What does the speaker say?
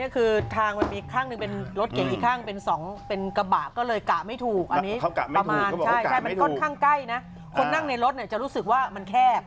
คือทางมันมีข้างหนึ่งเป็นรถเก่งอีกข้างเป็นกระบะก็เลยกะไม่ถูกอันนี้ประมาณใช่มันค่อนข้างใกล้นะคนนั่งในรถจะรู้สึกว่ามันแคบ